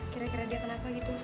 kira kira dia kenapa gitu